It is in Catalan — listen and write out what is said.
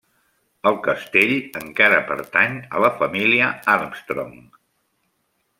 El castell encara pertany a la família Armstrong.